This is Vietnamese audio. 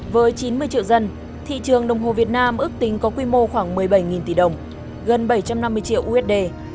với chín mươi triệu dân thị trường đồng hồ việt nam ước tính có quy mô khoảng một mươi bảy tỷ đồng gần bảy trăm năm mươi triệu usd